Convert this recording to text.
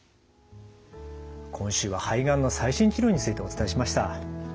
今週は「肺がんの最新治療」についてお伝えしました。